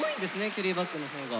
キャリーバッグのほうが。